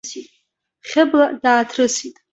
Хьыбла дааҭрысит.